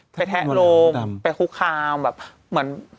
แทะลงไปคุกคามแบบเหมือน